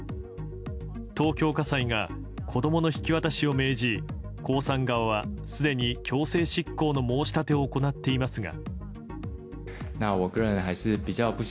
東京家裁が子供の引き渡しを命じ江さん側はすでに強制執行の申し立てを行っていますが。